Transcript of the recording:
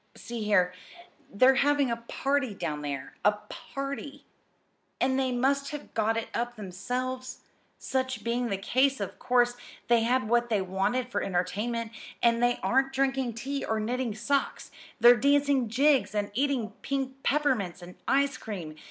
See here. They're having a party down there a party, and they must have got it up themselves. Such being the case, of course they had what they wanted for entertainment and they aren't drinking tea or knitting socks. They're dancing jigs and eating pink peppermints and ice cream!